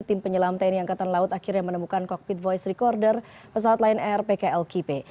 tim penyelam tni angkatan laut akhirnya menemukan kokpit voice recorder pesawat lion air pkl kipe